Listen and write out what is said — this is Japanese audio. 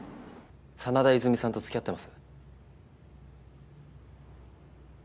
真田和泉さんと付き合ってます。